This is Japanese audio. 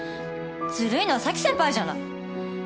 ずるいのは咲先輩じゃない。